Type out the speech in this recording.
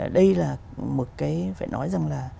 đây là một cái phải nói rằng là